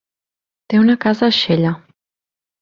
Té una casa a Xella.